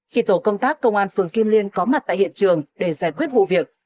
khi tổ công tác công an phường kim liên có mặt tại hiện trường để giải quyết vụ việc